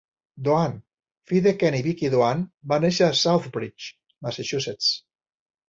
Doane, fill de Ken i Vickie Doane, va néixer a Southbridge, Massachusetts.